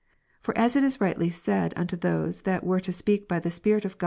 For as it is rightly said unto those that were to speak by the Spirit of Mat.